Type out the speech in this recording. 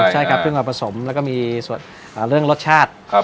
ใช่ครับซึ่งเราผสมแล้วก็มีส่วนเรื่องรสชาติ